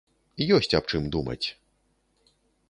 Ёсць аб чым думаць.